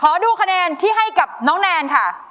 ดูคะแนนที่ให้กับน้องแนนค่ะ